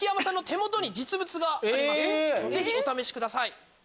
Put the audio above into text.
ぜひお試しください。